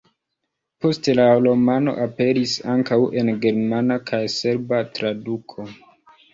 Poste la romano aperis ankaŭ en germana kaj serba traduko.